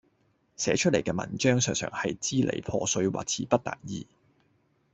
寫出嚟嘅文章常常係支離破碎或辭不達意